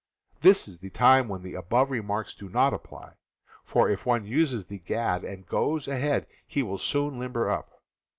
This is the time when the above remarks do not apply; for if one uses the gad and goes ahead he will soon limber up.